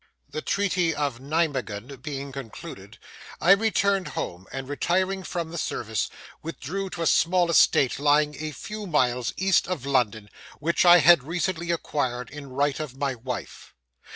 The treaty of Nimeguen being concluded, I returned home, and retiring from the service, withdrew to a small estate lying a few miles east of London, which I had recently acquired in right of my wife.